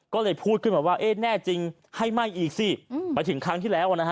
ก็เลยพูดขึ้นมาว่าเอ๊ะแน่จริงให้ไหม้อีกสิไปถึงครั้งที่แล้วนะฮะ